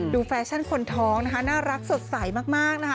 แฟชั่นคนท้องนะคะน่ารักสดใสมากนะคะ